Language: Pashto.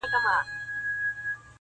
په دې دوه رنګه دنیا کي هرڅه کیږي -